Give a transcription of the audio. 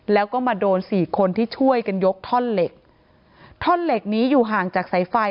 แล้วก็มาโดนสี่คนที่ช่วยกันยกท่อนเหล็กท่อนเหล็กนี้อยู่ห่างจากสายไฟ